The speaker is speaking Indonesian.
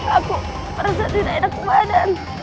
aku merasa tidak enak badan